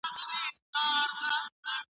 هیڅ قوم باید د بل قوم ملنډي ونه وهي.